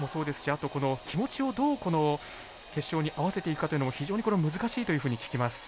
あとこの気持ちをどうこの決勝に合わせていくかというのも非常に難しいというふうに聞きます。